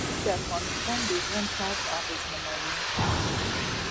مېوې د افغانانو د ژوند طرز اغېزمنوي.